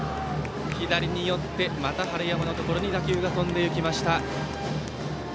左に寄ってまた春山のところに打球が飛んでいきました。